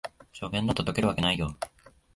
初見だと解けるわけないよ